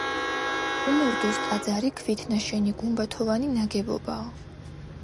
კუმურდოს ტაძარი ქვით ნაშენი, გუმბათოვანი ნაგებობაა.